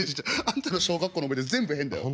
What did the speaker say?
あんたの小学校の思い出全部変だよ。